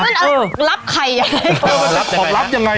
มันเอารับไข่อย่างไร